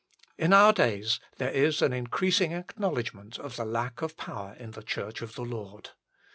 In our days there is an increasing acknow ledgment of the lack of power in the Church of the Lord.